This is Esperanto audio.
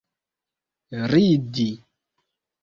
ridi